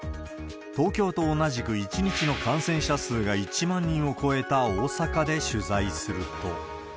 東京と同じく１日の感染者数が１万人を超えた大阪で取材すると。